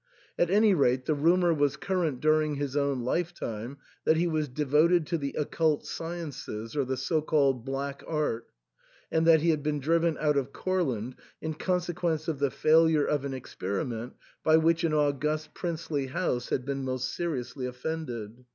At any rate the rumour was current during his own lifetime that he was devoted to the occult sciences or the so called Black Art, and that he had been driven out of Courland in consequence of the failure of an experiment by which an august princely house had been most seriously offended.